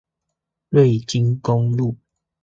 瑞金公路